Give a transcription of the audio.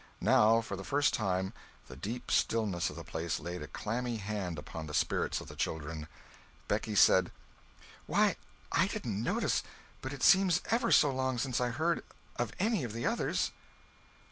Now, for the first time, the deep stillness of the place laid a clammy hand upon the spirits of the children. Becky said: "Why, I didn't notice, but it seems ever so long since I heard any of the others."